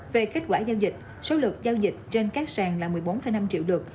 về kết quả giao dịch số lượng giao dịch trên các sàn là một mươi bốn năm triệu lượt